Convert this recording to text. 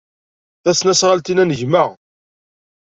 Tasnasɣalt-inna n gma.